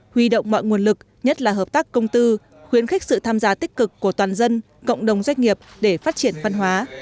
huy động mọi nguồn lực nhất là hợp tác công tư khuyến khích sự tham gia tích cực của toàn dân cộng đồng doanh nghiệp để phát triển văn hóa